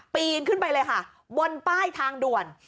ปีนขึ้นไปเลยค่ะบนป้ายทางด่วน